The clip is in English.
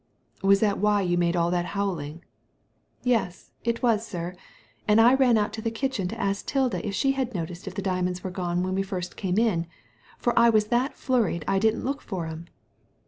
Was that why you made all that howling ?'* •*Yes, it was, sir; and I ran out to the kitchen to ask 'Tilda if she had noticed if the diamonds were gone when we came in first ; for I was that flurried I didn't look for 'em.